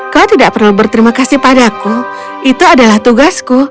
kau tidak perlu berterima kasih padaku itu adalah tugasku